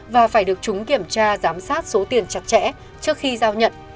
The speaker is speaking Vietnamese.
và phải được chúng kiểm tra giám sát số tiền chặt chẽ trước khi giao nhận